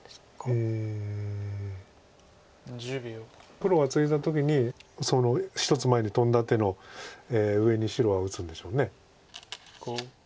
黒がツイだ時にその１つ前にトンだ手の上に白は打つんでしょう。